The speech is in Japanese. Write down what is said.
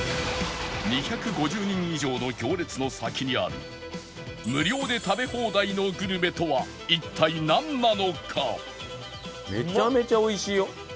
２５０人以上の行列の先にある無料で食べ放題のグルメとは一体なんなのか？